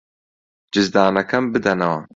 جزدانەکەم بدەنەوە.